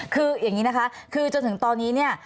คืออย่างนี้นะคะคือจนถึงตอนนี้เนี่ย